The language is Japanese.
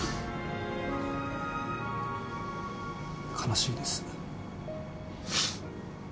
悲しいです。